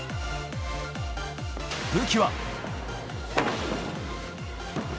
武器は。